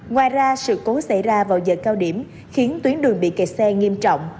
ngoài ra sự cố xảy ra vào giờ cao điểm khiến tuyến đường bị kẹt xe nghiêm trọng